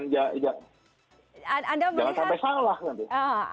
jangan sampai salah nanti